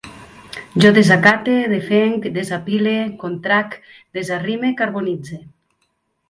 Jo desacate, defenc, desapile, contrac, desarrime, carbonitze